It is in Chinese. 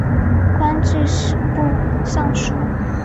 官至吏部尚书。